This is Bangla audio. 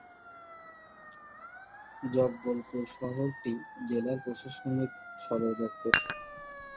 জব্বলপুর শহরটি জেলার প্রশাসনিক সদরদপ্তর।